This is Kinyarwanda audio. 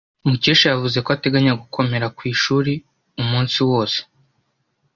Mukesha yavuze ko ateganya gukomera ku ishuri umunsi wose.